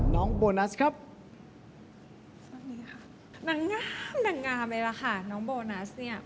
น้องงามเลยล่ะค่ะน้องโบนัสเนี่ย